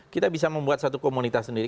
kita bisa membuat satu komunitas sendiri